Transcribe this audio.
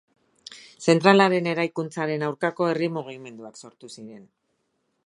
Zentralaren eraikuntzaren aurkako herri mugimenduak sortu ziren.